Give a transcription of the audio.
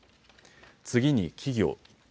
次に企業。